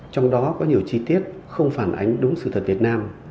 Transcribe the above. trong đó có nhiều chi tiết không phản ánh đúng sự thật việt nam